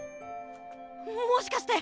もしかして。